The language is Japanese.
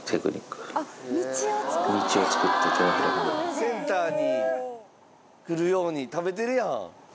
センターに来るように食べてるやん。